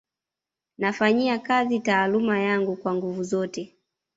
Nafanyia kazi taaluma yangu kwa nguvu zote